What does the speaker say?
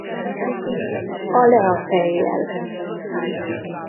A Le a fejjel!